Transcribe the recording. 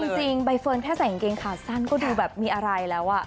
จริงใบเฟิร์นแค่ใส่กางเกงขาสั้นก็ดูแบบมีอะไรแล้ว